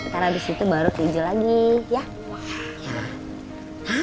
karena abis itu baru ke hijau lagi ya